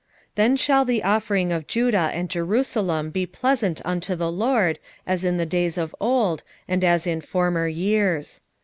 3:4 Then shall the offering of Judah and Jerusalem be pleasant unto the LORD, as in the days of old, and as in former years.